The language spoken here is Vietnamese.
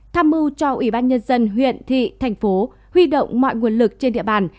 tham mưu cho ủy ban nhân dân huyện thị thành phố huy động mọi nguồn lực trên địa bàn